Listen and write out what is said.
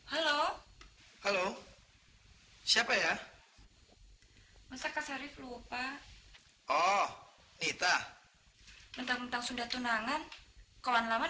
halo halo siapa ya masak ksarif lupa oh nita tentang mentang sudah tunangan kawan kawan